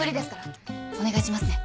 お願いしますね。